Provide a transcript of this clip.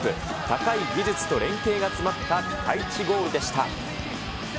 高い技術と連係が詰まったピカイチゴールでした。